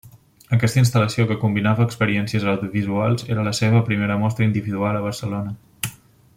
Aquesta instal·lació, que combinava experiències audiovisuals, era la seva primera mostra individual a Barcelona.